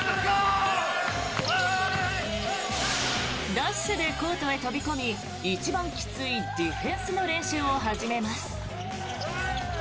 ダッシュでコートへ飛び込み一番きついディフェンスの練習を始めます。